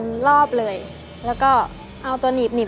ทั้งในเรื่องของการทำงานเคยทำนานแล้วเกิดปัญหาน้อย